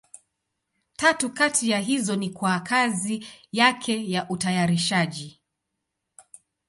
Tatu kati ya hizo ni kwa kazi yake ya utayarishaji.